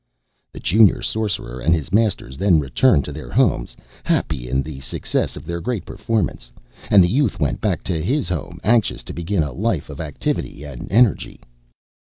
The Junior Sorcerer and his Masters then returned to their homes, happy in the success of their great performance; and the Youth went back to his home anxious to begin a life of activity and energy.